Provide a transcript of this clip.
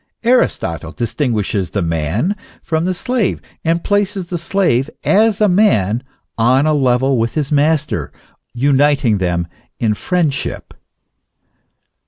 Aristotle distinguishes the man from the slave, and places the slave, as a man, on a level with his master, uniting them in friendship.